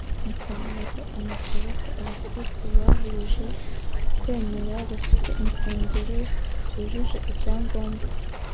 Matabaro anasaba ko abakirisitu bahuje ukwemera bafite insengero zujuje ibyangombwa